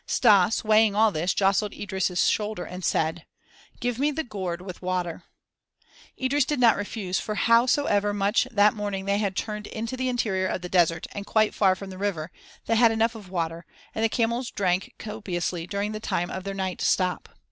Stas, weighing all this, jostled Idris' shoulder and said: "Give me the gourd with water." Idris did not refuse for howsoever much that morning they had turned into the interior of the desert and quite far from the river, they had enough of water, and the camels drank copiously during the time of their night stop.